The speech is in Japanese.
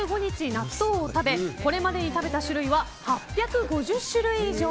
納豆を食べこれまでに食べた種類は８５０種類以上。